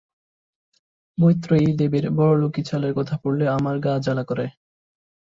মৈত্রেয়ী দেবীর বড়লোকি চালের কথা পড়লে আমার গা জ্বালা করে।